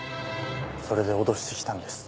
それで脅してきたんです。